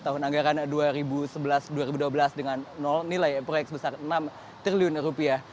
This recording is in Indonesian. tahun anggaran dua ribu sebelas dua ribu dua belas dengan nilai proyek sebesar enam triliun rupiah